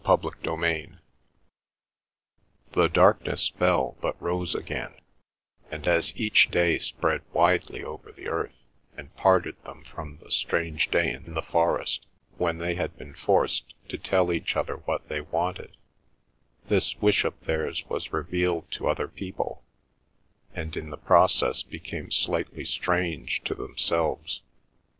CHAPTER XXII The darkness fell, but rose again, and as each day spread widely over the earth and parted them from the strange day in the forest when they had been forced to tell each other what they wanted, this wish of theirs was revealed to other people, and in the process became slightly strange to themselves.